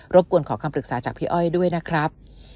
บกวนขอคำปรึกษาจากพี่อ้อยด้วยนะครับ